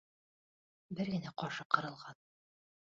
Бер генә ҡашы ҡырылған.